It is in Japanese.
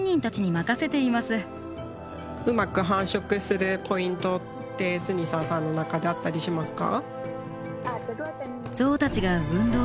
うまく繁殖するポイントってスニサーさんの中であったりしますか？